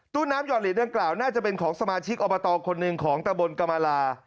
น้ำหอดเหรียญดังกล่าวน่าจะเป็นของสมาชิกอบตคนหนึ่งของตะบนกรรมลา